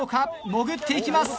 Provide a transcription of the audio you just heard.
潜っていきます。